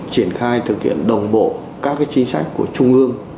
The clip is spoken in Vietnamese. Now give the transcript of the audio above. triển khai thực hiện đồng bộ các chính sách của trung ương